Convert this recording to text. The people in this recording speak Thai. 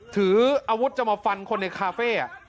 ถืออาวุธจะมาฟันคนในคาเฟ่